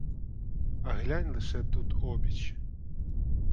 А глянь лише тут обіч.